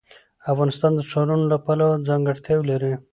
افغانستان د ښارونو له پلوه ځانګړتیاوې لري.